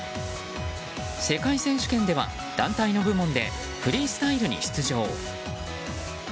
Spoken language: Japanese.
世界選手権では団体の部門でフリースタイルに出場。